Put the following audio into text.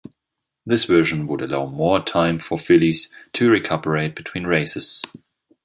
This version would allow more time for fillies to recuperate between races.